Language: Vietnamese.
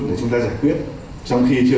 để chúng ta giải quyết trong khi chưa